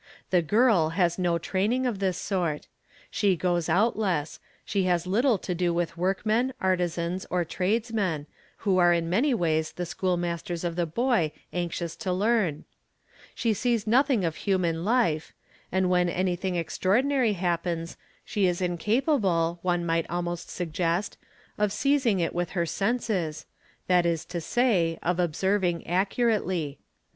The girl has no training of this sort; she goes out less, she has little to do with workmen, artizans, or tradesmen, ,who are in many ways the school masters of the boy anxious to learn; she sees nothing of human life, and when anything extra ordinary happens she is incapable, one might almost suggest, of seizing it with her senses, that is to say, of observing accurately.